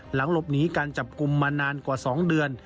หลังหลบหนีการจับกลุ่มมานานกว่า๒เดือน